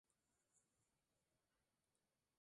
El grupo está tallado en granito gris.